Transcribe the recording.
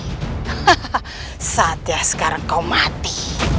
hahaha saatnya sekarang kau mati